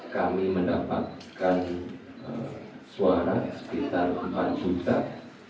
kami mendapatkan suara sekitar empat dua ratus enam puluh satu ratus dua puluh eh dua enam ratus lima puluh